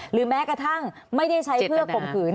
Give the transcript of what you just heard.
แม้กระทั่งไม่ได้ใช้เพื่อข่มขืน